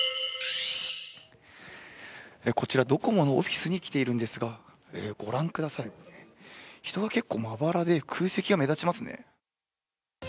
こちらドコモのオフィスに来ているんですが、御覧ください、人が結構まばらで空席が目立ちますね。